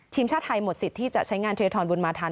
ทีมชาวไทยหมดสิทธิ์ที่จะใช้งานเทรียฐรมบุญมาทัน